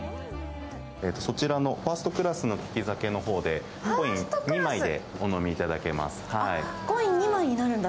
そちらのファーストクラスの利き酒の方で、コイン２枚でお飲みいただけます。